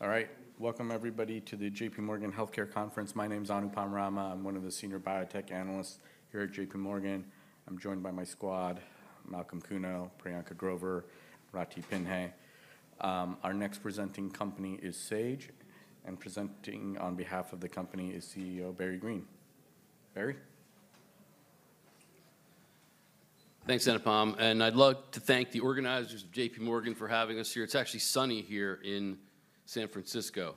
All right, welcome everybody to the JPMorgan Healthcare Conference. My name's Anupam Rama. I'm one of the senior biotech analysts here at JPMorgan. I'm joined by my squad: Malcolm Cuno, Priyanka Grover, Ritika Pinhai. Our next presenting company is Sage, and presenting on behalf of the company is CEO Barry Greene. Barry? Thanks, Anupam. And I'd love to thank the organizers of J.P. Morgan for having us here. It's actually sunny here in San Francisco.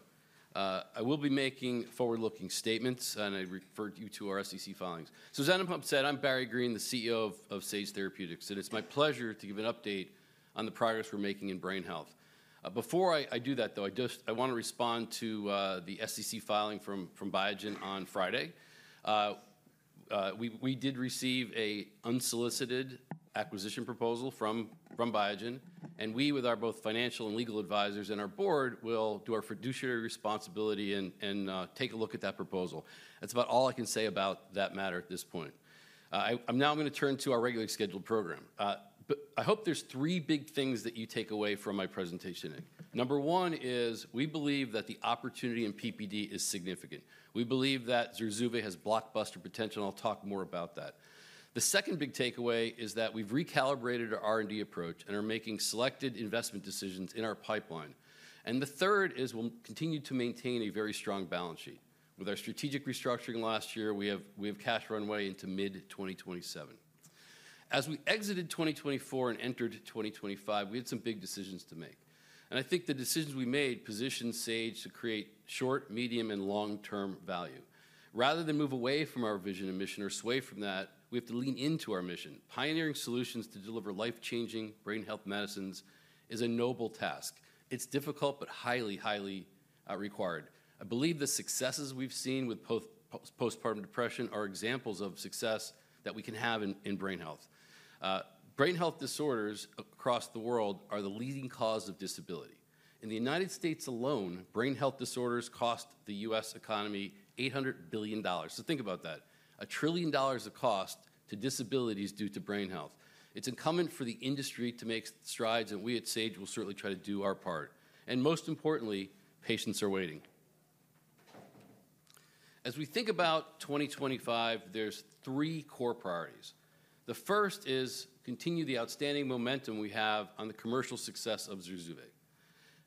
I will be making forward-looking statements, and I referred you to our SEC filings. So, as Anupam said, I'm Barry Greene, the CEO of Sage Therapeutics, and it's my pleasure to give an update on the progress we're making in brain health. Before I do that, though, I just want to respond to the SEC filing from Biogen on Friday. We did receive an unsolicited acquisition proposal from Biogen, and we, with our both financial and legal advisors and our board, will do our fiduciary responsibility and take a look at that proposal. That's about all I can say about that matter at this point. Now I'm going to turn to our regularly scheduled program. I hope there's three big things that you take away from my presentation. Number one is we believe that the opportunity in PPD is significant. We believe that ZURZUVAE has blockbuster potential, and I'll talk more about that. The second big takeaway is that we've recalibrated our R&D approach and are making selected investment decisions in our pipeline, and the third is we'll continue to maintain a very strong balance sheet. With our strategic restructuring last year, we have cash runway into mid-2027. As we exited 2024 and entered 2025, we had some big decisions to make, and I think the decisions we made positioned Sage to create short, medium, and long-term value. Rather than move away from our vision and mission or sway from that, we have to lean into our mission. Pioneering solutions to deliver life-changing brain health medicines is a noble task. It's difficult, but highly, highly required. I believe the successes we've seen with postpartum depression are examples of success that we can have in brain health. Brain health disorders across the world are the leading cause of disability. In the United States alone, brain health disorders cost the U.S. economy $800 billion, so think about that: a trillion dollars of cost to disabilities due to brain health. It's incumbent for the industry to make strides, and we at Sage will certainly try to do our part, and most importantly, patients are waiting. As we think about 2025, there's three core priorities. The first is to continue the outstanding momentum we have on the commercial success of ZURZUVAE.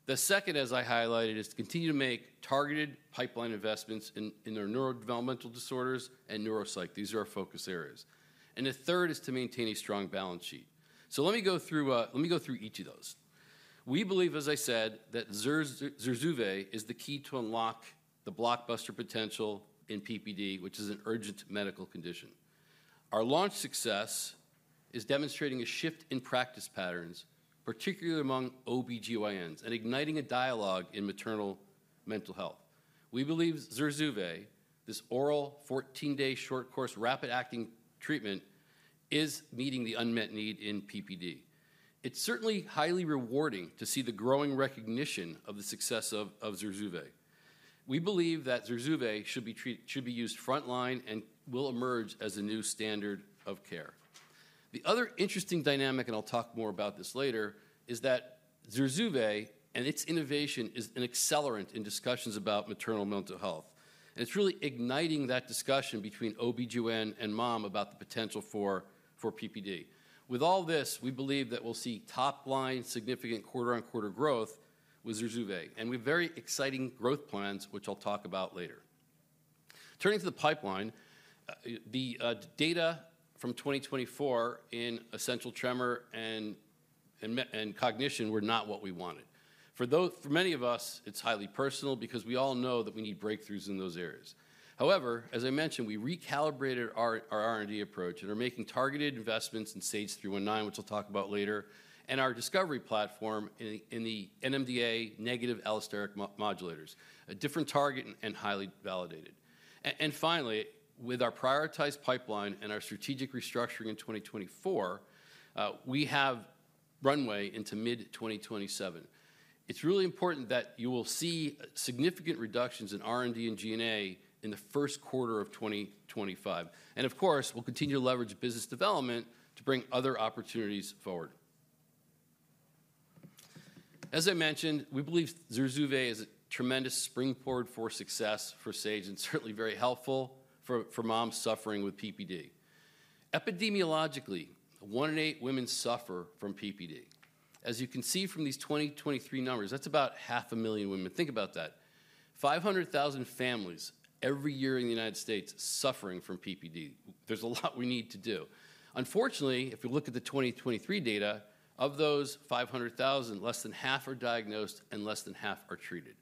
The second, as I highlighted, is to continue to make targeted pipeline investments in our neurodevelopmental disorders and neuropsych. These are our focus areas, and the third is to maintain a strong balance sheet. So let me go through each of those. We believe, as I said, that ZURZUVAE is the key to unlock the blockbuster potential in PPD, which is an urgent medical condition. Our launch success is demonstrating a shift in practice patterns, particularly among OB-GYNs, and igniting a dialogue in maternal mental health. We believe ZURZUVAE, this oral 14-day short course rapid-acting treatment, is meeting the unmet need in PPD. It's certainly highly rewarding to see the growing recognition of the success of ZURZUVAE. We believe that ZURZUVAEshould be used frontline and will emerge as a new standard of care. The other interesting dynamic, and I'll talk more about this later, is that ZURZUVAE, and its innovation, is an accelerant in discussions about maternal mental health. And it's really igniting that discussion between OB-GYN and mom about the potential for PPD. With all this, we believe that we'll see top-line significant quarter-on-quarter growth with ZURZUVAE. And we have very exciting growth plans, which I'll talk about later. Turning to the pipeline, the data from 2024 in essential tremor and cognition were not what we wanted. For many of us, it's highly personal because we all know that we need breakthroughs in those areas. However, as I mentioned, we recalibrated our R&D approach and are making targeted investments in SAGE-319, which I'll talk about later, and our discovery platform in the NMDA negative allosteric modulators. A different target and highly validated. And finally, with our prioritized pipeline and our strategic restructuring in 2024, we have runway into mid-2027. It's really important that you will see significant reductions in R&D and G&A in the first quarter of 2025. And of course, we'll continue to leverage business development to bring other opportunities forward. As I mentioned, we believe ZURZUVAE is a tremendous springboard for success for Sage and certainly very helpful for moms suffering with PPD. Epidemiologically, one in eight women suffer from PPD. As you can see from these 2023 numbers, that's about 500,000 women. Think about that. 500,000 families every year in the United States suffering from PPD. There's a lot we need to do. Unfortunately, if we look at the 2023 data, of those 500,000, less than half are diagnosed and less than half are treated.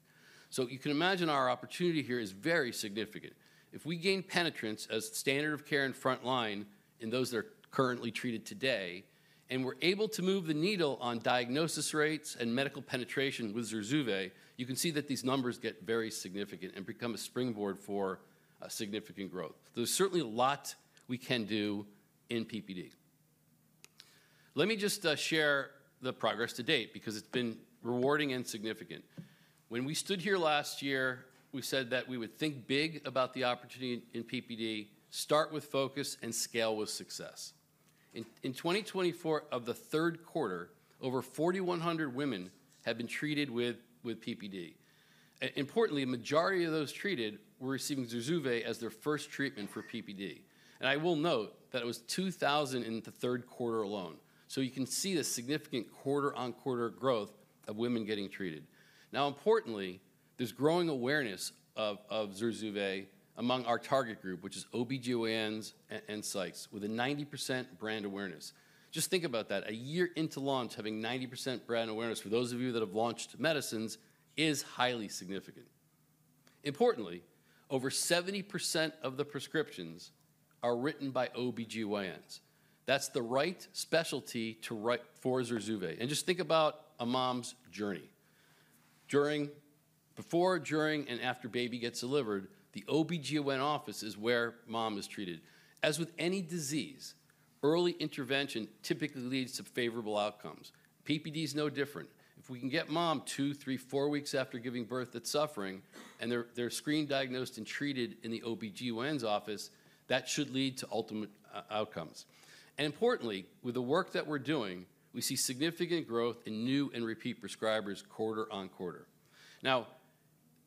So you can imagine our opportunity here is very significant. If we gain penetrance as standard of care and frontline in those that are currently treated today, and we're able to move the needle on diagnosis rates and medical penetration with ZURZUVAE, you can see that these numbers get very significant and become a springboard for significant growth. There's certainly a lot we can do in PPD. Let me just share the progress to date because it's been rewarding and significant. When we stood here last year, we said that we would think big about the opportunity in PPD, start with focus, and scale with success. In 2024, of the third quarter, over 4,100 women have been treated for PPD. Importantly, the majority of those treated were receiving ZURZUVAE as their first treatment for PPD. And I will note that it was 2,000 in the third quarter alone. So you can see the significant quarter-on-quarter growth of women getting treated. Now, importantly, there's growing awareness of ZURZUVAE among our target group, which is OB-GYNs and psychs, with a 90% brand awareness. Just think about that. A year into launch, having 90% brand awareness, for those of you that have launched medicines, is highly significant. Importantly, over 70% of the prescriptions are written by OB-GYNs. That's the right specialty to write for ZURZUVAE, and just think about a mom's journey. Before, during, and after baby gets delivered, the OB-GYN office is where mom is treated. As with any disease, early intervention typically leads to favorable outcomes. PPD is no different. If we can get mom two, three, four weeks after giving birth, that's suffering, and they're screened, diagnosed, and treated in the OB-GYN's office, that should lead to ultimate outcomes, and importantly, with the work that we're doing, we see significant growth in new and repeat prescribers quarter on quarter. Now,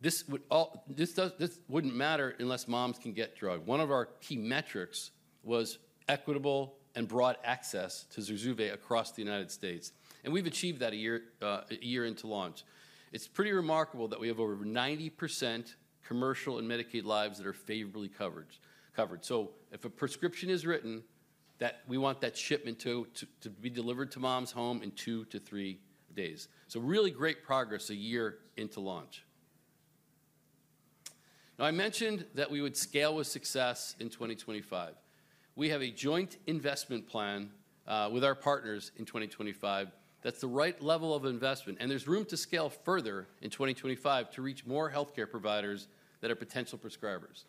this wouldn't matter unless moms can get the drug. One of our key metrics was equitable and broad access to ZURZUVAE across the United States, and we've achieved that a year into launch. It's pretty remarkable that we have over 90% commercial and Medicaid lives that are favorably covered. So if a prescription is written, we want that shipment to be delivered to mom's home in two to three days. So really great progress a year into launch. Now, I mentioned that we would scale with success in 2025. We have a joint investment plan with our partners in 2025. That's the right level of investment. And there's room to scale further in 2025 to reach more healthcare providers that are potential prescribers.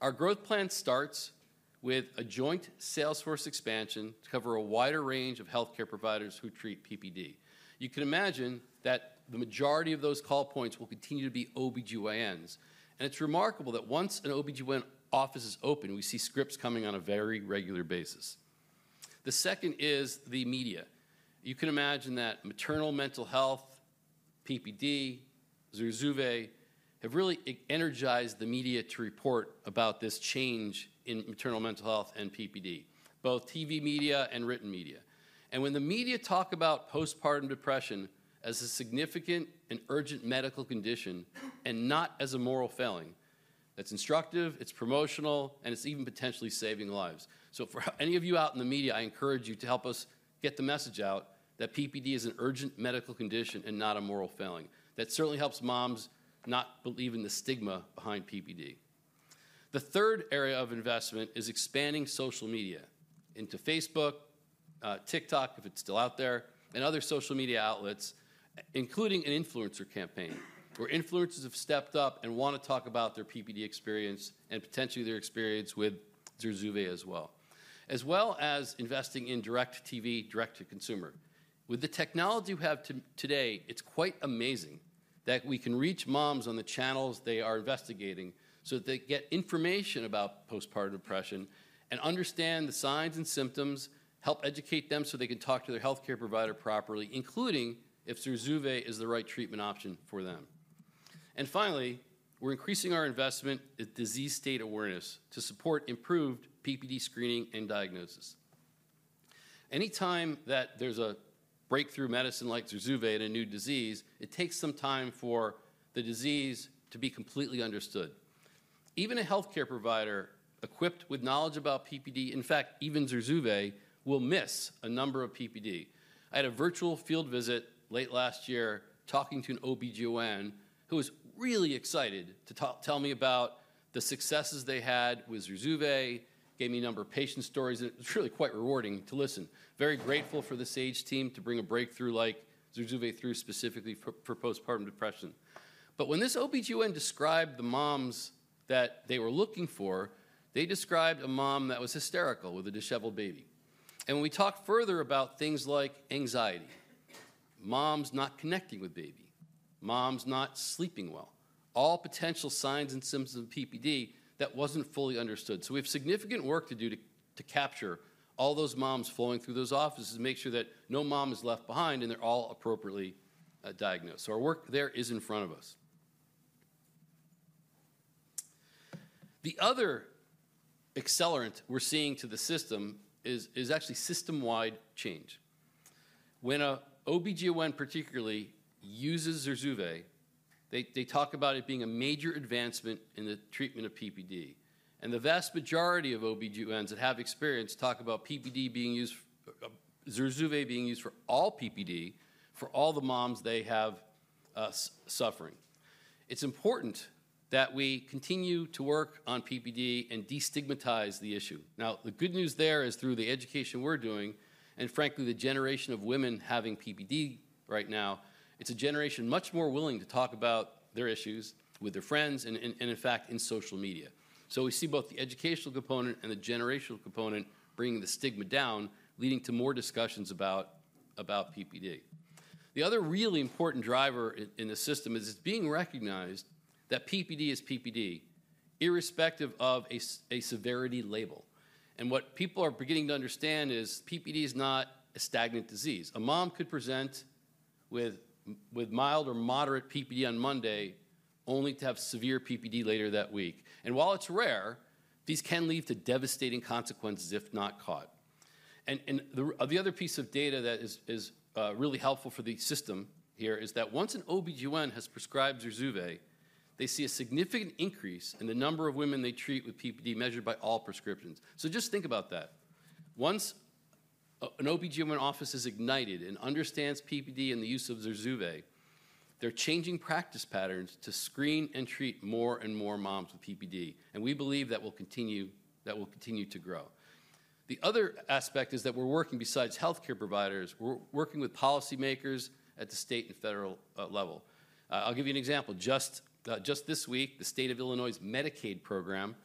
Our growth plan starts with a joint sales force expansion to cover a wider range of healthcare providers who treat PPD. You can imagine that the majority of those call points will continue to be OB-GYNs. And it's remarkable that once an OB-GYN office is open, we see scripts coming on a very regular basis. The second is the media. You can imagine that maternal mental health, PPD, ZURZUVAE, have really energized the media to report about this change in maternal mental health and PPD, both TV media and written media, and when the media talk about postpartum depression as a significant and urgent medical condition and not as a moral failing, that's instructive, it's promotional, and it's even potentially saving lives, so for any of you out in the media, I encourage you to help us get the message out that PPD is an urgent medical condition and not a moral failing. That certainly helps moms not believe in the stigma behind PPD. The third area of investment is expanding social media into Facebook, TikTok, if it's still out there, and other social media outlets, including an influencer campaign where influencers have stepped up and want to talk about their PPD experience and potentially their experience with ZURZUVAE as well, as well as investing in DIRECTV, direct-to-consumer. With the technology we have today, it's quite amazing that we can reach moms on the channels they are investigating so that they get information about postpartum depression and understand the signs and symptoms, help educate them so they can talk to their healthcare provider properly, including if ZURZUVAE is the right treatment option for them. And finally, we're increasing our investment in disease state awareness to support improved PPD screening and diagnosis. Anytime that there's a breakthrough medicine like ZURZUVAEin a new disease, it takes some time for the disease to be completely understood. Even a healthcare provider equipped with knowledge about PPD, in fact, even ZURZUVAE, will miss a number of PPD. I had a virtual field visit late last year talking to an OB-GYN who was really excited to tell me about the successes they had with ZURZUVAE, gave me a number of patient stories, and it was really quite rewarding to listen. Very grateful for the Sage team to bring a breakthrough like ZURZUVAE, specifically for postpartum depression. But when this OB-GYN described the moms that they were looking for, they described a mom that was hysterical with a disheveled baby. And when we talk further about things like anxiety, moms not connecting with baby, moms not sleeping well, all potential signs and symptoms of PPD that wasn't fully understood. So we have significant work to do to capture all those moms flowing through those offices and make sure that no mom is left behind and they're all appropriately diagnosed. So our work there is in front of us. The other accelerant we're seeing to the system is actually system-wide change. When an OB-GYN particularly uses ZURZUVAE, they talk about it being a major advancement in the treatment of PPD. And the vast majority of OB-GYNs that have experience talk about PPD being used, ZURZUVAE, being used for all PPD, for all the moms they have suffering. It's important that we continue to work on PPD and destigmatize the issue. Now, the good news there is through the education we're doing, and frankly, the generation of women having PPD right now, it's a generation much more willing to talk about their issues with their friends and, in fact, in social media. So we see both the educational component and the generational component bringing the stigma down, leading to more discussions about PPD. The other really important driver in the system is it's being recognized that PPD is PPD, irrespective of a severity label. And what people are beginning to understand is PPD is not a stagnant disease. A mom could present with mild or moderate PPD on Monday only to have severe PPD later that week. And while it's rare, these can lead to devastating consequences if not caught. And the other piece of data that is really helpful for the system here is that once an OB-GYN has prescribed ZURZUVAE, they see a significant increase in the number of women they treat with PPD measured by all prescriptions. So just think about that. Once an OB-GYN office is ignited and understands PPD and the use of ZURZUVAE, they're changing practice patterns to screen and treat more and more moms with PPD. And we believe that will continue to grow. The other aspect is that we're working besides healthcare providers, we're working with policymakers at the state and federal level. I'll give you an example. Just this week, the state of Illinois' Medicaid program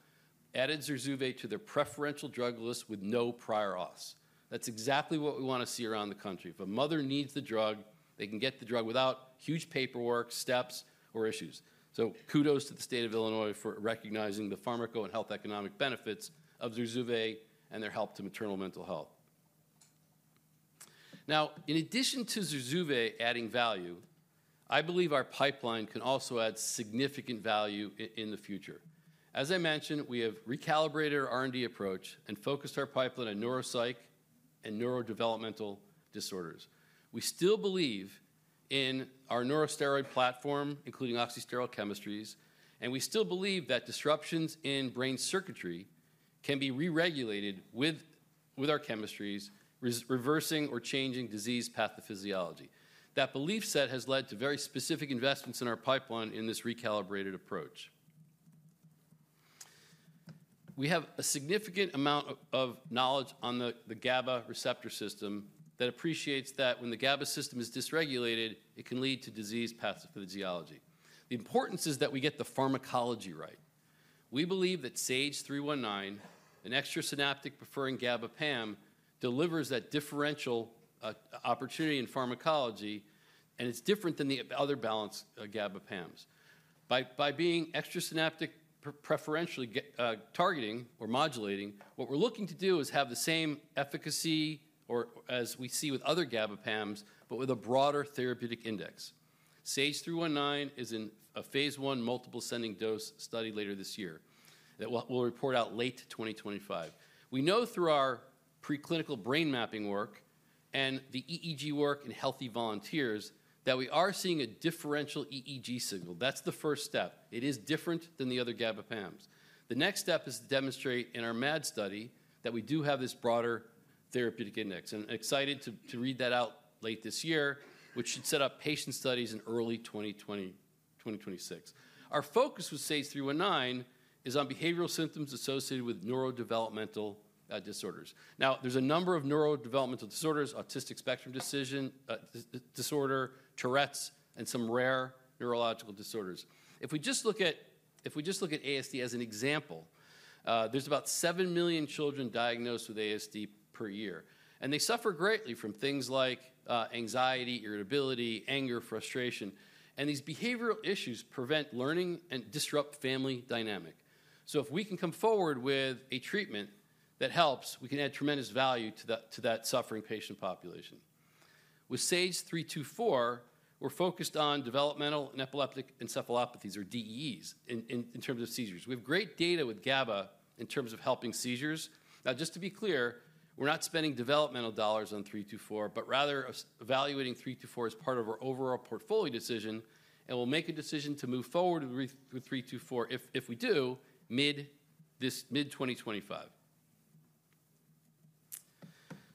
added ZURZUVAE to their preferential drug list with no prior auths. That's exactly what we want to see around the country. If a mother needs the drug, they can get the drug without huge paperwork, steps, or issues, so kudos to the state of Illinois for recognizing the pharmaco and health economic benefits of ZURZUVAE and their help to maternal mental health. Now, in addition to ZURZUVAE adding value, I believe our pipeline can also add significant value in the future. As I mentioned, we have recalibrated our R&D approach and focused our pipeline on neuropsych and neurodevelopmental disorders. We still believe in our neurosteroid platform, including oxysteroid chemistries, and we still believe that disruptions in brain circuitry can be re-regulated with our chemistries, reversing or changing disease pathophysiology. That belief set has led to very specific investments in our pipeline in this recalibrated approach. We have a significant amount of knowledge on the GABA receptor system that appreciates that when the GABA system is dysregulated, it can lead to disease pathophysiology. The importance is that we get the pharmacology right. We believe that SAGE-319, an extrasynaptic-preferring GABA PAM, delivers that differential opportunity in pharmacology, and it's different than the other balanced GABA PAMs. By being extrasynaptic preferentially targeting or modulating, what we're looking to do is have the same efficacy as we see with other GABA PAMs, but with a broader therapeutic index. SAGE-319 is in a phase one multiple ascending dose study later this year that we'll report out late 2025. We know through our preclinical brain mapping work and the EEG work and healthy volunteers that we are seeing a differential EEG signal. That's the first step. It is different than the other GABA PAMs. The next step is to demonstrate in our MAD study that we do have this broader therapeutic index. And excited to read that out late this year, which should set up patient studies in early 2026. Our focus with SAGE-319 is on behavioral symptoms associated with neurodevelopmental disorders. Now, there's a number of neurodevelopmental disorders, autistic spectrum disorder, Tourette's, and some rare neurological disorders. If we just look at ASD as an example, there's about seven million children diagnosed with ASD per year. And they suffer greatly from things like anxiety, irritability, anger, frustration. And these behavioral issues prevent learning and disrupt family dynamic. So if we can come forward with a treatment that helps, we can add tremendous value to that suffering patient population. With SAGE-324, we're focused on developmental and epileptic encephalopathies, or DEEs, in terms of seizures. We have great data with GABA in terms of helping seizures. Now, just to be clear, we're not spending developmental dollars on 324, but rather evaluating 324 as part of our overall portfolio decision, and we'll make a decision to move forward with 324 if we do mid-2025,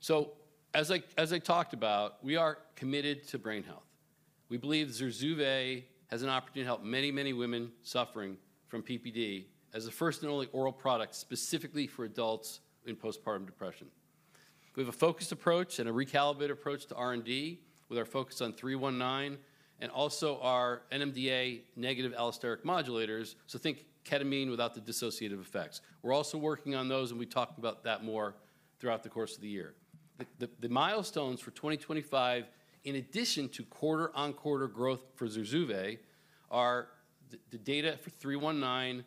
so as I talked about, we are committed to brain health. We believe ZURZUVAE has an opportunity to help many, many women suffering from PPD as the first and only oral product specifically for adults in postpartum depression. We have a focused approach and a recalibrated approach to R&D with our focus on 319 and also our NMDA negative allosteric modulators, so think ketamine without the dissociative effects. We're also working on those, and we talk about that more throughout the course of the year. The milestones for 2025, in addition to quarter-on-quarter growth for ZURZUVAE, are the data for 319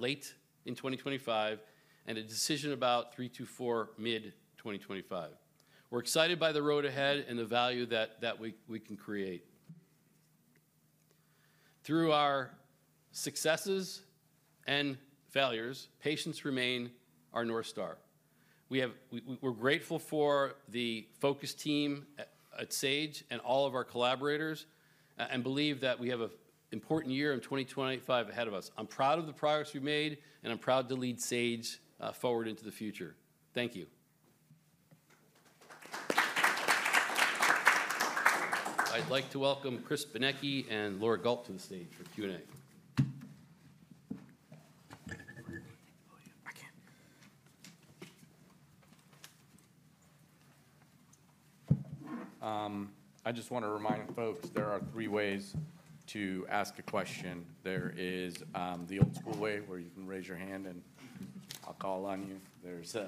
late in 2025 and a decision about 324 mid-2025. We're excited by the road ahead and the value that we can create. Through our successes and failures, patients remain our North Star. We're grateful for the focus team at Sage and all of our collaborators and believe that we have an important year in 2025 ahead of us. I'm proud of the progress we've made, and I'm proud to lead Sage forward into the future. Thank you. I'd like to welcome Chris Benecchi and Laura Gault to the stage for Q&A. I just want to remind folks, there are three ways to ask a question. There is the old-school way where you can raise your hand and I'll call on you.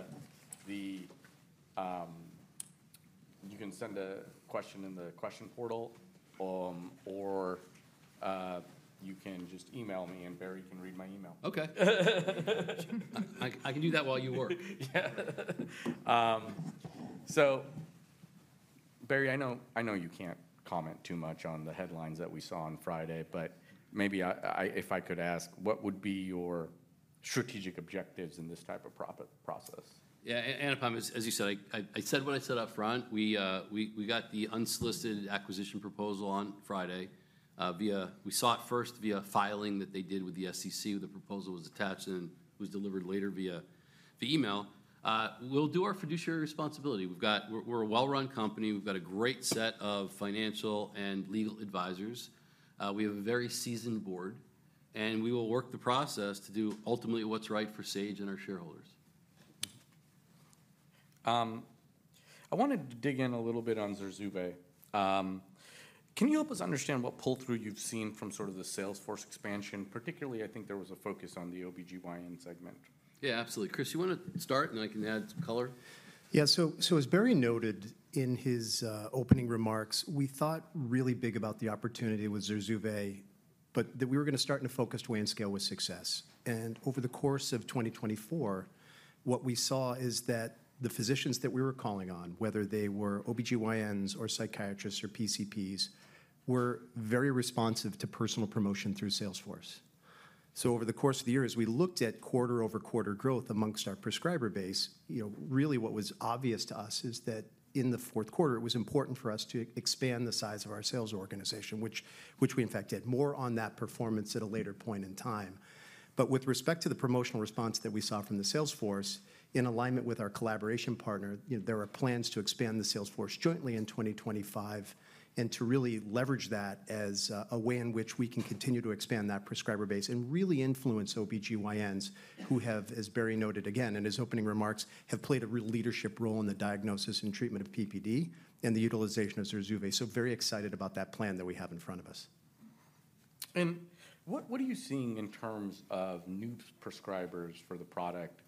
You can send a question in the question portal, or you can just email me, and Barry can read my email. Okay. I can do that while you work. Yeah. So, Barry, I know you can't comment too much on the headlines that we saw on Friday, but maybe if I could ask, what would be your strategic objectives in this type of process? Yeah, Anupam, as you said, I said what I said upfront. We got the unsolicited acquisition proposal on Friday. We saw it first via filing that they did with the SEC. The proposal was attached and was delivered later via email. We'll do our fiduciary responsibility. We're a well-run company. We've got a great set of financial and legal advisors. We have a very seasoned board, and we will work the process to do ultimately what's right for Sage and our shareholders. I want to dig in a little bit on ZURZUVAE. Can you help us understand what pull-through you've seen from sort of the sales force expansion? Particularly, I think there was a focus on the OB-GYN segment. Yeah, absolutely. Chris, you want to start, and I can add some color? Yeah, so as Barry noted in his opening remarks, we thought really big about the opportunity with ZURZUVAE, but that we were going to start in a focused way and scale with success, and over the course of 2024, what we saw is that the physicians that we were calling on, whether they were OB-GYNs or psychiatrists or PCPs, were very responsive to personal promotion through sales force. So over the course of the year, as we looked at quarter-over-quarter growth among our prescriber base, really what was obvious to us is that in the fourth quarter, it was important for us to expand the size of our sales organization, which we in fact did more on that performance at a later point in time. But with respect to the promotional response that we saw from the sales force, in alignment with our collaboration partner, there are plans to expand the sales force jointly in 2025 and to really leverage that as a way in which we can continue to expand that prescriber base and really influence OB-GYNs who have, as Barry noted again in his opening remarks, played a real leadership role in the diagnosis and treatment of PPD and the utilization of ZURZUVAE. So very excited about that plan that we have in front of us. What are you seeing in terms of new prescribers for the product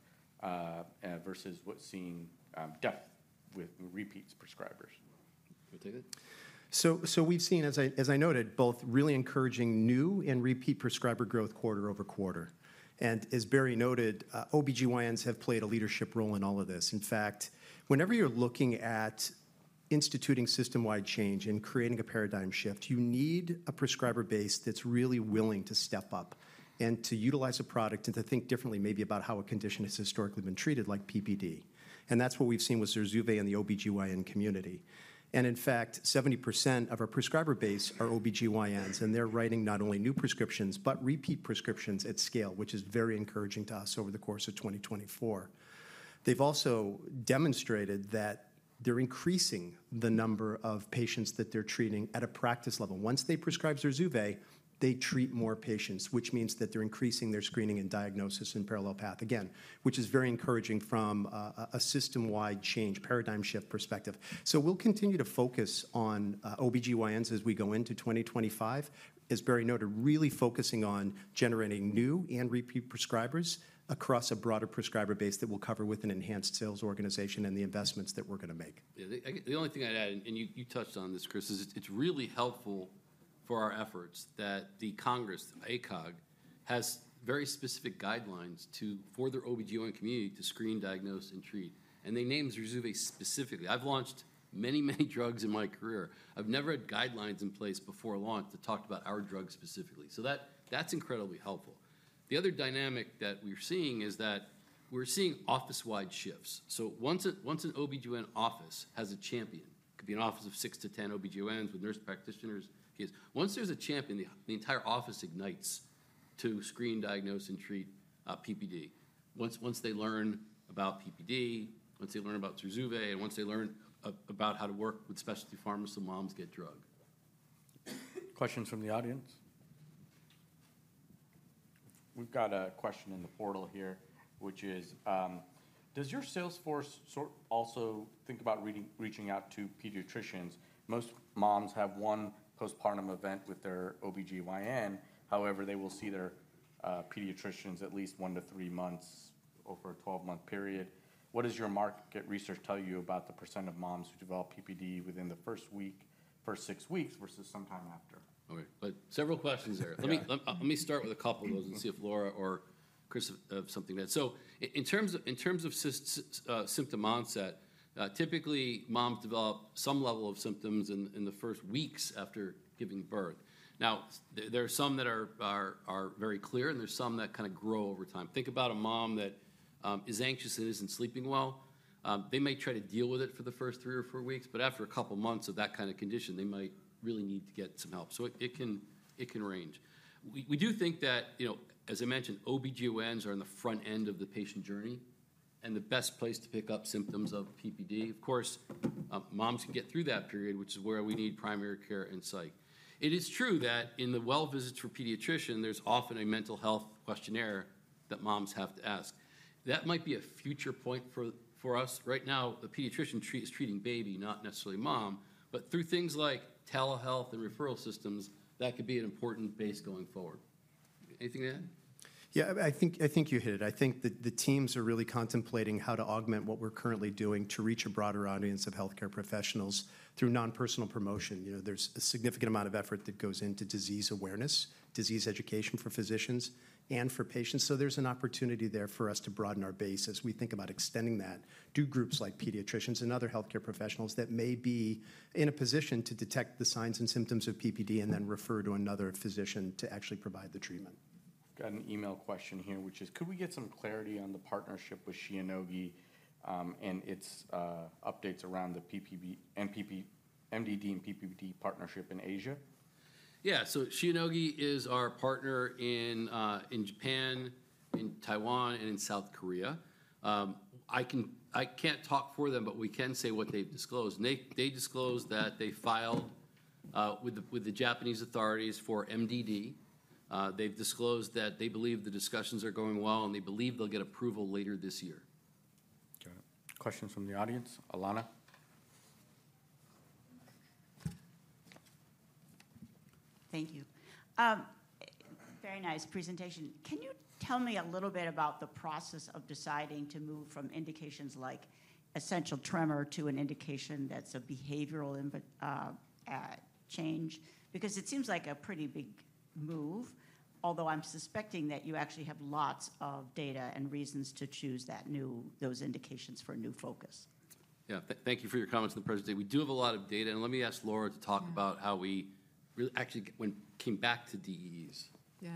versus what's seen with repeat prescribers? Go ahead. We've seen, as I noted, both really encouraging new and repeat prescriber growth quarter-over- quarter. As Barry noted, OB-GYNs have played a leadership role in all of this. In fact, whenever you're looking at instituting system-wide change and creating a paradigm shift, you need a prescriber base that's really willing to step up and to utilize a product and to think differently maybe about how a condition has historically been treated like PPD. That's what we've seen with ZURZUVAE in the OB-GYN community. In fact, 70% of our prescriber base are OB-GYNs, and they're writing not only new prescriptions, but repeat prescriptions at scale, which is very encouraging to us over the course of 2024. They've also demonstrated that they're increasing the number of patients that they're treating at a practice level. Once they prescribe ZURZUVAE, they treat more patients, which means that they're increasing their screening and diagnosis and parallel path again, which is very encouraging from a system-wide change, paradigm shift perspective. So we'll continue to focus on OB-GYNs as we go into 2025, as Barry noted, really focusing on generating new and repeat prescribers across a broader prescriber base that we'll cover with an enhanced sales organization and the investments that we're going to make. The only thing I'd add, and you touched on this, Chris, is it's really helpful for our efforts that ACOG has very specific guidelines for their OB-GYN community to screen, diagnose, and treat. And they name ZURZUVAE specifically. I've launched many, many drugs in my career. I've never had guidelines in place before launch that talked about our drug specifically. So that's incredibly helpful. The other dynamic that we're seeing is that we're seeing office-wide shifts. So once an OB-GYN office has a champion, it could be an office of six to 10 OB-GYNs with nurse practitioners, once there's a champion, the entire office ignites to screen, diagnose, and treat PPD. Once they learn about PPD, once they learn about ZURZUVAE, and once they learn about how to work with specialty pharmacists, the moms get drug. Questions from the audience? We've got a question in the portal here, which is, does your sales force also think about reaching out to pediatricians? Most moms have one postpartum event with their OB-GYN. However, they will see their pediatricians at least one to three months over a 12-month period. What does your market research tell you about the % of moms who develop PPD within the first week, first six weeks, versus sometime after? All right. But several questions there. Let me start with a couple of those and see if Laura or Chris have something to add. So in terms of symptom onset, typically moms develop some level of symptoms in the first weeks after giving birth. Now, there are some that are very clear, and there's some that kind of grow over time. Think about a mom that is anxious and isn't sleeping well. They may try to deal with it for the first three or four weeks, but after a couple of months of that kind of condition, they might really need to get some help. So it can range. We do think that, as I mentioned, OB-GYNs are in the front end of the patient journey and the best place to pick up symptoms of PPD. Of course, moms can get through that period, which is where we need primary care and psych. It is true that in the well visits for pediatricians, there's often a mental health questionnaire that moms have to ask. That might be a future point for us. Right now, the pediatrician is treating baby, not necessarily mom, but through things like telehealth and referral systems, that could be an important base going forward. Anything to add? Yeah, I think you hit it. I think the teams are really contemplating how to augment what we're currently doing to reach a broader audience of healthcare professionals through non-personal promotion. There's a significant amount of effort that goes into disease awareness, disease education for physicians and for patients. So there's an opportunity there for us to broaden our base as we think about extending that to groups like pediatricians and other healthcare professionals that may be in a position to detect the signs and symptoms of PPD and then refer to another physician to actually provide the treatment. We've got an email question here, which is, could we get some clarity on the partnership with Shionogi and its updates around the MDD and PPD partnership in Asia? Yeah, so Shionogi is our partner in Japan, in Taiwan, and in South Korea. I can't talk for them, but we can say what they've disclosed. They disclosed that they filed with the Japanese authorities for MDD. They've disclosed that they believe the discussions are going well, and they believe they'll get approval later this year. Got it. Questions from the audience? Alana? Thank you. Very nice presentation. Can you tell me a little bit about the process of deciding to move from indications like essential tremor to an indication that's a behavioral change? Because it seems like a pretty big move, although I'm suspecting that you actually have lots of data and reasons to choose those indications for new focus. Yeah, thank you for your comments on the presentation. We do have a lot of data, and let me ask Laura to talk about how we actually came back to DEEs. Yeah,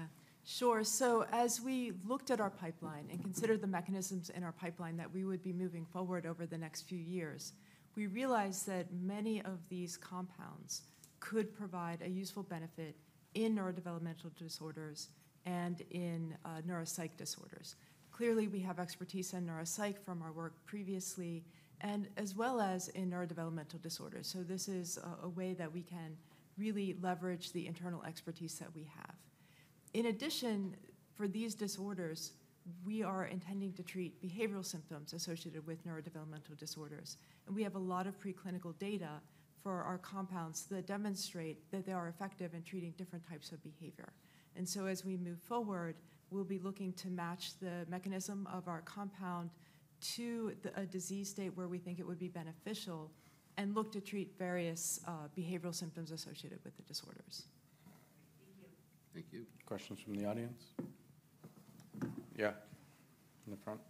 sure. So as we looked at our pipeline and considered the mechanisms in our pipeline that we would be moving forward over the next few years, we realized that many of these compounds could provide a useful benefit in neurodevelopmental disorders and in neuropsych disorders. Clearly, we have expertise in neuropsych from our work previously, and as well as in neurodevelopmental disorders. So this is a way that we can really leverage the internal expertise that we have. In addition, for these disorders, we are intending to treat behavioral symptoms associated with neurodevelopmental disorders. And we have a lot of preclinical data for our compounds that demonstrate that they are effective in treating different types of behavior. And so as we move forward, we'll be looking to match the mechanism of our compound to a disease state where we think it would be beneficial and look to treat various behavioral symptoms associated with the disorders. Thank you. Thank you. Questions from the audience? Yeah, in the front.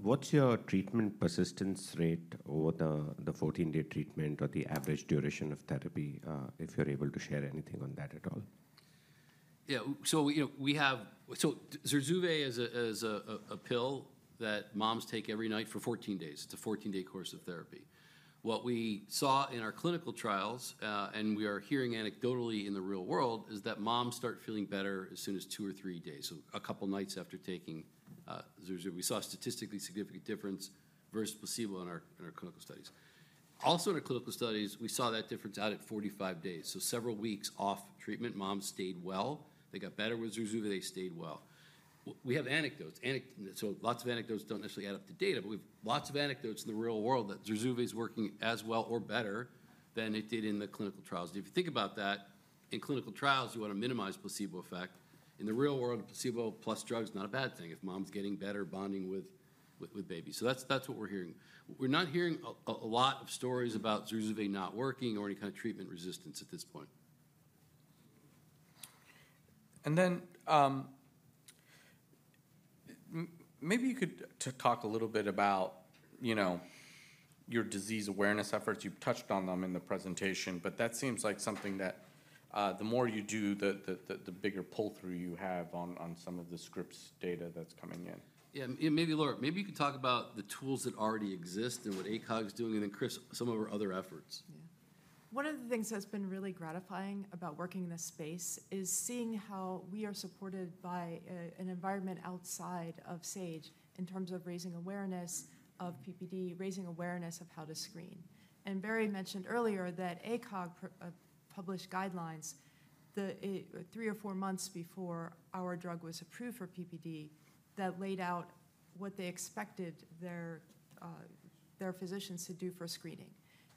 What's your treatment persistence rate over the 14-day treatment or the average duration of therapy, if you're able to share anything on that at all? Yeah, so we have ZURZUVAE as a pill that moms take every night for 14 days. It's a 14-day course of therapy. What we saw in our clinical trials, and we are hearing anecdotally in the real world, is that moms start feeling better as soon as two or three days, so a couple of nights after taking ZURZUVAE. We saw a statistically significant difference versus placebo in our clinical studies. Also in our clinical studies, we saw that difference out at 45 days, so several weeks off treatment, moms stayed well. They got better with ZURZUVAE. They stayed well. We have anecdotes, so lots of anecdotes don't necessarily add up to data, but we have lots of anecdotes in the real world that ZURZUVAE is working as well or better than it did in the clinical trials. If you think about that, in clinical trials, you want to minimize placebo effect. In the real world, placebo plus drugs is not a bad thing if mom's getting better bonding with babies, so that's what we're hearing. We're not hearing a lot of stories about ZURZUVAE not working or any kind of treatment resistance at this point. And then maybe you could talk a little bit about your disease awareness efforts. You've touched on them in the presentation, but that seems like something that the more you do, the bigger pull-through you have on some of the Scripps data that's coming in. Yeah, maybe, Laura, maybe you could talk about the tools that already exist and what ACOG is doing and then, Chris, some of our other efforts. Yeah, one of the things that's been really gratifying about working in this space is seeing how we are supported by an environment outside of Sage in terms of raising awareness of PPD, raising awareness of how to screen. And Barry mentioned earlier that ACOG published guidelines three or four months before our drug was approved for PPD that laid out what they expected their physicians to do for screening.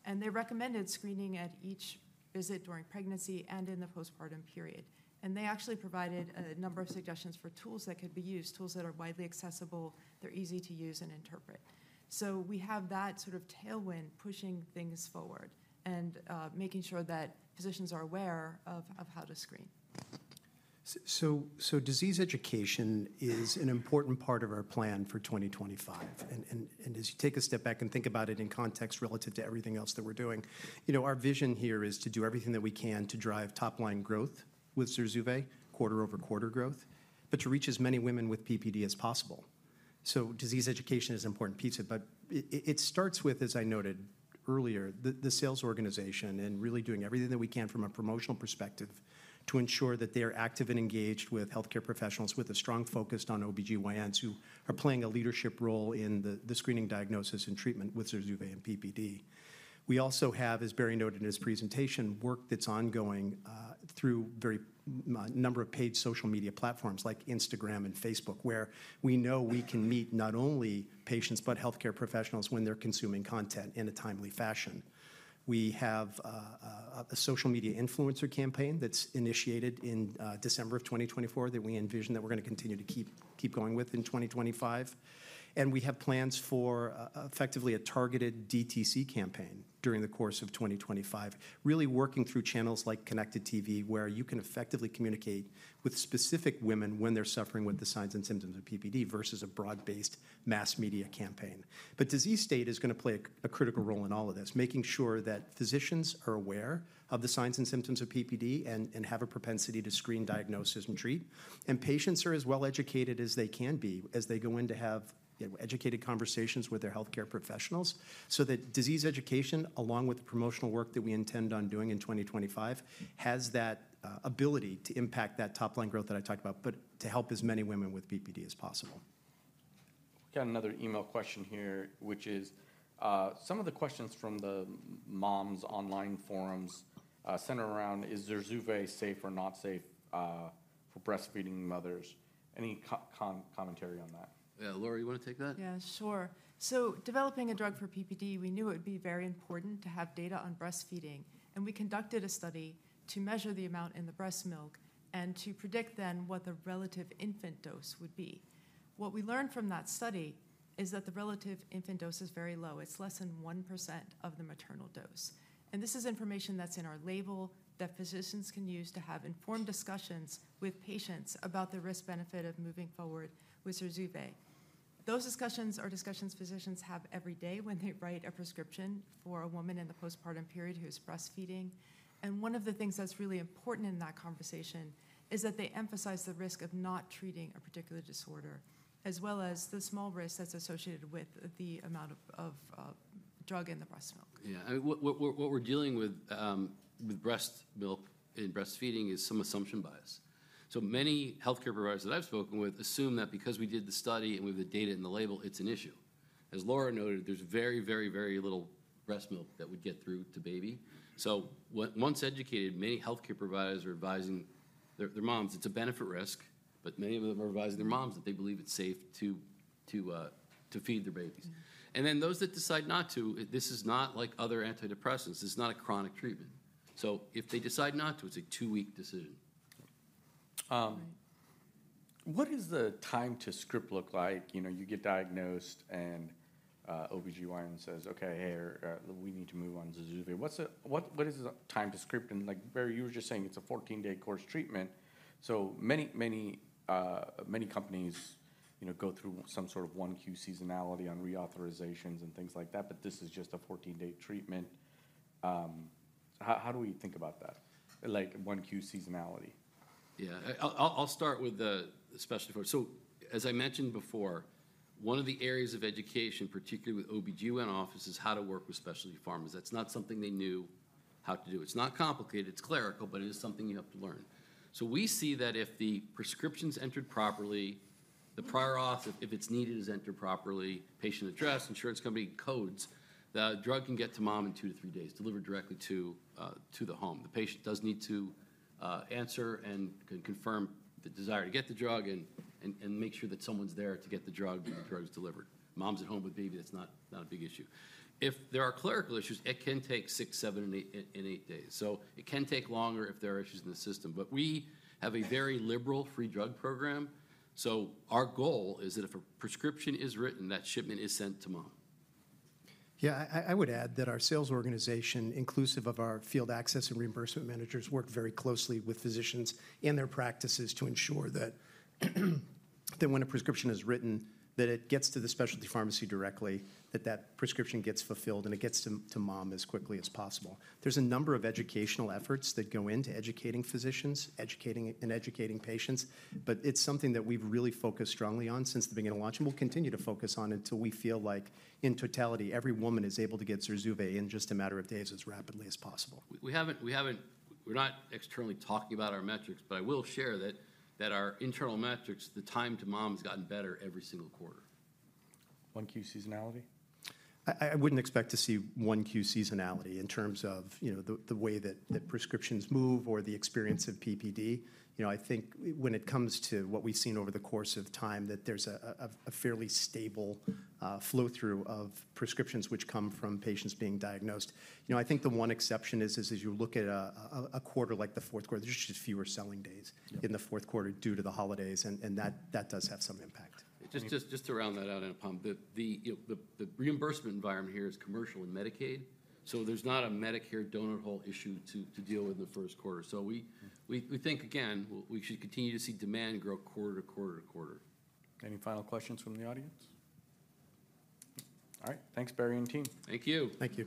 And they recommended screening at each visit during pregnancy and in the postpartum period. They actually provided a number of suggestions for tools that could be used, tools that are widely accessible. They're easy to use and interpret. We have that sort of tailwind pushing things forward and making sure that physicians are aware of how to screen. Disease education is an important part of our plan for 2025. As you take a step back and think about it in context relative to everything else that we're doing, our vision here is to do everything that we can to drive top-line growth with ZURZUVAE, quarter-over-quarter growth, but to reach as many women with PPD as possible. Disease education is an important piece of it, but it starts with, as I noted earlier, the sales organization and really doing everything that we can from a promotional perspective to ensure that they are active and engaged with healthcare professionals with a strong focus on OB-GYNs who are playing a leadership role in the screening, diagnosis, and treatment with ZURZUVAE and PPD. We also have, as Barry noted in his presentation, work that's ongoing through a number of paid social media platforms like Instagram and Facebook, where we know we can meet not only patients, but healthcare professionals when they're consuming content in a timely fashion. We have a social media influencer campaign that's initiated in December of 2024 that we envision that we're going to continue to keep going with in 2025. We have plans for effectively a targeted DTC campaign during the course of 2025, really working through channels like Connected TV, where you can effectively communicate with specific women when they're suffering with the signs and symptoms of PPD versus a broad-based mass media campaign. Disease state is going to play a critical role in all of this, making sure that physicians are aware of the signs and symptoms of PPD and have a propensity to screen, diagnose, and treat. Patients are as well educated as they can be as they go in to have educated conversations with their healthcare professionals so that disease education, along with the promotional work that we intend on doing in 2025, has that ability to impact that top-line growth that I talked about, but to help as many women with PPD as possible. We've got another email question here, which is some of the questions from the moms' online forums centered around, is ZURZUVAE safe or not safe for breastfeeding mothers? Any commentary on that? Laura, you want to take that? Yeah, sure. Developing a drug for PPD, we knew it would be very important to have data on breastfeeding. We conducted a study to measure the amount in the breast milk and to predict then what the relative infant dose would be. What we learned from that study is that the relative infant dose is very low. It's less than 1% of the maternal dose. This is information that's in our label that physicians can use to have informed discussions with patients about the risk-benefit of moving forward with ZURZUVAE. Those discussions are discussions physicians have every day when they write a prescription for a woman in the postpartum period who is breastfeeding, and one of the things that's really important in that conversation is that they emphasize the risk of not treating a particular disorder, as well as the small risk that's associated with the amount of drug in the breast milk. Yeah, I mean, what we're dealing with breast milk in breastfeeding is some assumption bias. So many healthcare providers that I've spoken with assume that because we did the study and we have the data in the label, it's an issue. As Laura noted, there's very, very, very little breast milk that would get through to baby. Once educated, many healthcare providers are advising their moms it's a benefit risk, but many of them are advising their moms that they believe it's safe to feed their babies. And then those that decide not to, this is not like other antidepressants. This is not a chronic treatment. So if they decide not to, it's a two-week decision. What does the time to script look like? You get diagnosed and OB-GYN says, "Okay, we need to move on to ZURZUVAE." What is the time to script? And Barry, you were just saying it's a 14-day course treatment. So many companies go through some sort of Q1 seasonality on reauthorizations and things like that, but this is just a 14-day treatment. How do we think about that, Q1 seasonality? Yeah, I'll start with the specialty pharma. So as I mentioned before, one of the areas of education, particularly with OB-GYN offices, is how to work with specialty pharmas. That's not something they knew how to do. It's not complicated. It's clerical, but it is something you have to learn. So we see that if the prescription's entered properly, the prior auth, if it's needed, is entered properly, patient address, insurance company codes, the drug can get to mom in two to three days, delivered directly to the home. The patient does need to answer and confirm the desire to get the drug and make sure that someone's there to get the drug when the drug is delivered. Mom's at home with baby. That's not a big issue. If there are clerical issues, it can take six, seven, and eight days. So it can take longer if there are issues in the system. But we have a very liberal free drug program. So our goal is that if a prescription is written, that shipment is sent to mom. Yeah, I would add that our sales organization, inclusive of our field access and reimbursement managers, work very closely with physicians and their practices to ensure that when a prescription is written, that it gets to the specialty pharmacy directly, that that prescription gets fulfilled and it gets to mom as quickly as possible. There's a number of educational efforts that go into educating physicians and educating patients, but it's something that we've really focused strongly on since the beginning of launch and we'll continue to focus on until we feel like in totality, every woman is able to get ZURZUVAE in just a matter of days as rapidly as possible. We're not externally talking about our metrics, but I will share that our internal metrics, the time to mom, has gotten better every single quarter. Q1 seasonality? I wouldn't expect to see Q1 seasonality in terms of the way that prescriptions move or the experience of PPD. I think when it comes to what we've seen over the course of time, that there's a fairly stable flow-through of prescriptions which come from patients being diagnosed. I think the one exception is, as you look at a quarter like the fourth quarter, there's just fewer selling days in the fourth quarter due to the holidays, and that does have some impact. Just to round that out, Anupam, the reimbursement environment here is commercial and Medicaid, so there's not a Medicare donut hole issue to deal with in the first quarter. So we think, again, we should continue to see demand grow quarter to quarter to quarter. Any final questions from the audience? All right. Thanks, Barry and team. Thank you. Thank you.